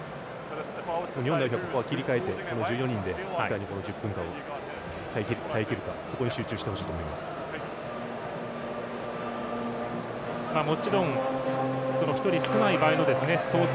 日本代表、ここは切り替えて、１４人でいかにこの１０分間を耐えきるかそこに集中してもらいたいともちろん１人少ない場合も想定